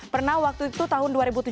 pernah waktu itu tahun dua ribu tiga belas